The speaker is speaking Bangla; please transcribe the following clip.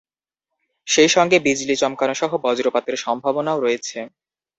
সেই সঙ্গে বিজলি চমকানোসহ বজ্রপাতের সম্ভাবনাও রয়েছে।